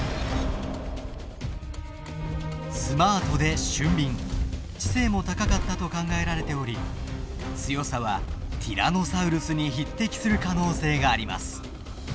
スマートで俊敏知性も高かったと考えられており強さはティラノサウルスに匹敵する可能性があります。